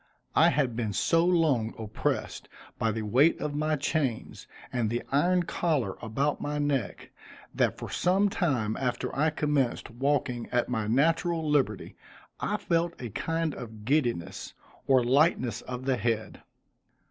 I had been so long oppressed by the weight of my chains, and the iron collar about my neck, that for some time after I commenced walking at my natural liberty, I felt a kind of giddiness, or lightness of the head.